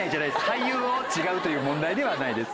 俳優を違うという問題ではないです。